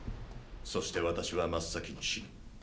そして私は真っ先に死ぬ。